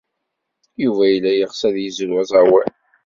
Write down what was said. Yuba yella yeɣs ad yezrew aẓawan.